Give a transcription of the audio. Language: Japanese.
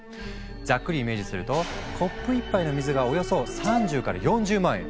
ざっくりイメージするとコップ１杯の水がおよそ３０から４０万円！